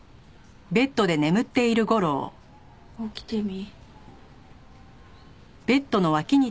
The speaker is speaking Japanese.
起きてみ。